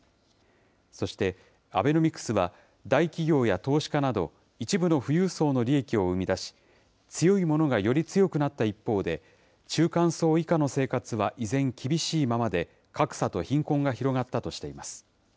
そして、アベノミクスは大企業や投資家など、一部の富裕層の利益を生み出し、強い者がより強くなった一方で、中間層以下の生活は依然、厳しいままで、格差と貧困が広がったとしています。